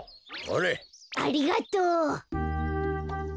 ありがとう。